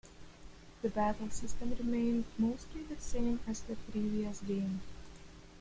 The battle system remained mostly the same as the previous game.